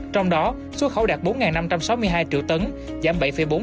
trong đó xuất khẩu đạt bốn năm trăm sáu mươi hai triệu tấn giảm bảy bốn